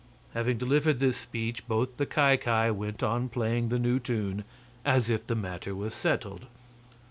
Having delivered this speech both the Ki Ki went on playing the new tune, as if the matter was settled.